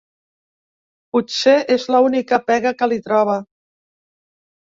Potser és l'única pega que li troba.